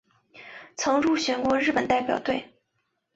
曾入选过的日本代表队。